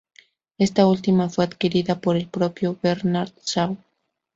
Esta última fue adquirida por el propio Bernard Shaw.